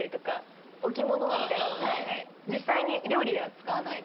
実際に料理では使わない。